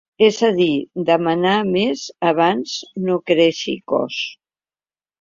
És a dir, demanar més abans no creixi cost.